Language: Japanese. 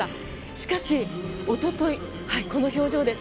しかし、おとといこの表情です。